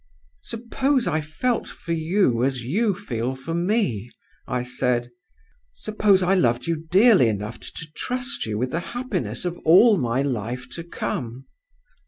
"'Suppose I felt for you as you feel for me?' I said. 'Suppose I loved you dearly enough to trust you with the happiness of all my life to come?